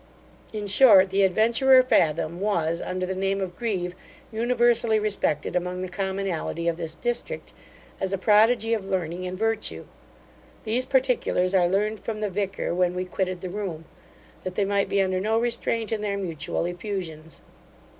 In short, the adventurer Fathom was, under the name of Grieve, universally respected among the commonalty of this district, as a prodigy of learning and virtue. These particulars I learned from the vicar, when we quitted the room, that they might be under no restraint in their mutual effusions.